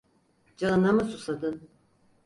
Canına mı susadın?